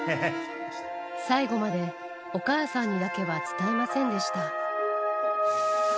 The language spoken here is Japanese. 最後までお母さんにだけは伝えませんでした。